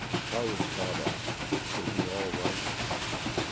"How is Baba? Is he all right?"